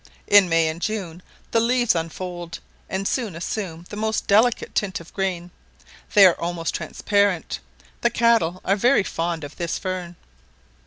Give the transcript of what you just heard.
In May and June, the leaves unfold, and soon assume the most delicate tint of green; they are almost transparent: the cattle are very fond of this fern.